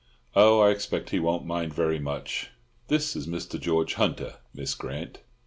"Oh, I expect he won't mind very much. This is Mr. George Hunter, Miss Grant."